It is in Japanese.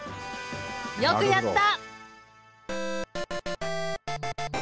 よくやった。